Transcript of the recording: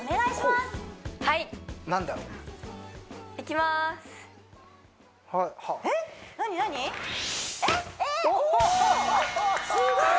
すごーい！